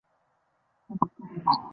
公子完和陈宣公的太子御寇交好。